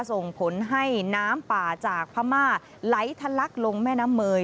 ส่งผลให้น้ำป่าจากพม่าไหลทะลักลงแม่น้ำเมย